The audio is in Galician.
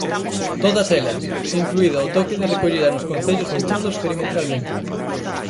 Todas elas, incluído o toque de recollida nos concellos pechados perimetralmente.